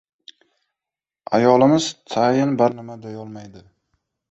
Ayolimiz tayin bir nima deyolmaydi.